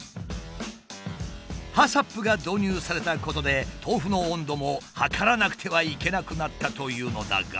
ＨＡＣＣＰが導入されたことで豆腐の温度も測らなくてはいけなくなったというのだが。